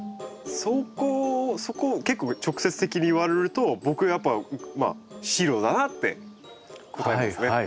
そこそこ結構直接的に言われると僕やっぱまあ白だなって答えですね。